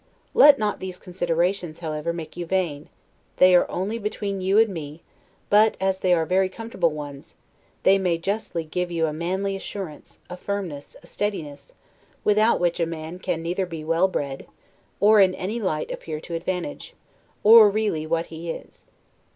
Let not these considerations, however, make you vain: they are only between you and me but as they are very comfortable ones, they may justly give you a manly assurance, a firmness, a steadiness, without which a man can neither be well bred, or in any light appear to advantage, or really what he is.